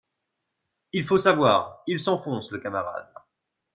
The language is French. Il faut savoir, Il s’enfonce, le camarade